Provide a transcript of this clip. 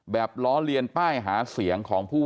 แบบล้อเลียนป้ายหาเสียง